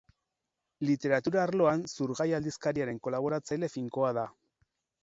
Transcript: Literatura arloan Zurgai aldizkariaren kolaboratzaile finkoa da.